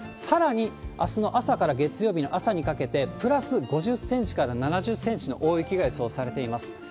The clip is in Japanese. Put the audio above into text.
さらに、あすの朝から月曜日の朝にかけて、プラス５０センチから７０センチの大雪が予想されています。